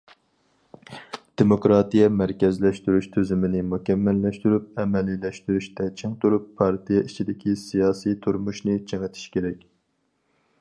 دېموكراتىيە، مەركەزلەشتۈرۈش تۈزۈمىنى مۇكەممەللەشتۈرۈش، ئەمەلىيلەشتۈرۈشتە چىڭ تۇرۇپ، پارتىيە ئىچىدىكى سىياسىي تۇرمۇشنى چىڭىتىش كېرەك.